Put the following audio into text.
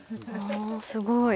おすごい。